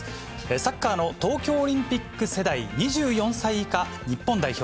サッカーの東京オリンピック世代２４歳以下日本代表。